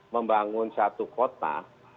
membangun satu kota